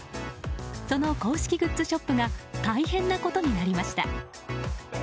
その公式グッズショップが大変なことになりました。